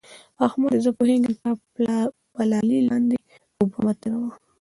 احمده! زه پوهېږم؛ تر پلالې لاندې اوبه مه تېروه.